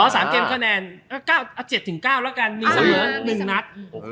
อ๋อสามเกมคะแนน๗๙แล้วกันมีสำเริ่ม๑นัด